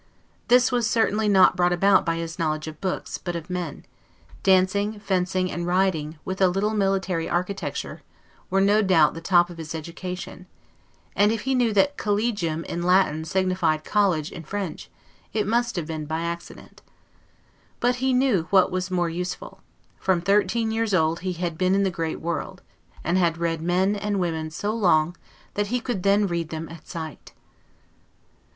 This was certainly not brought about by his knowledge of books, but of men: dancing, fencing, and riding, with a little military architecture, were no doubt the top of his education; and if he knew that 'collegium' in Latin signified college in French, it must have been by accident. But he knew what was more useful: from thirteen years old he had been in the great world, and had read men and women so long, that he could then read them at sight.